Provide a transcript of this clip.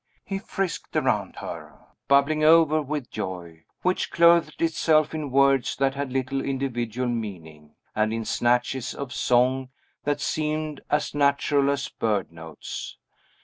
He frisked around her, bubbling over with joy, which clothed itself in words that had little individual meaning, and in snatches of song that seemed as natural as bird notes.